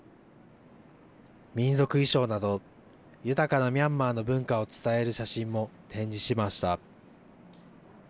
民族衣装など豊かなミャンマーの文化を伝える写真も展示しました。